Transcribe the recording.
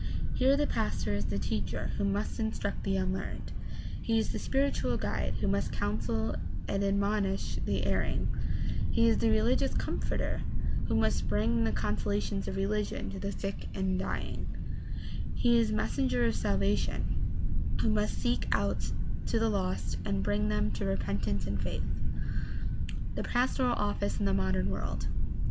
Here the pastor is the teacher who must instruct the unlearned; he is the spiritual guide who must counsel and admonish the erring; he is the religious comforter who must bring the con solations of religion to the sick and the dying; he is the mes senger of salvation who must seek out the lost and bring them to repentance and faith. The pastoral office in the modem world.